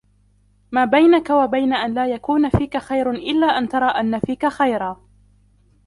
مَا بَيْنَك وَبَيْنَ أَنْ لَا يَكُونَ فِيك خَيْرٌ إلَّا أَنْ تَرَى أَنَّ فِيك خَيْرًا